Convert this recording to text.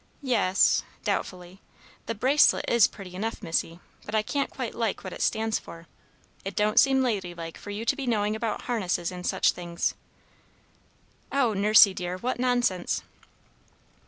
"Yes," doubtfully. "The bracelet is pretty enough, Missy; but I can't quite like what it stands for. It don't seem ladylike for you to be knowing about harnesses and such things." "Oh, Nursey, dear, what nonsense!"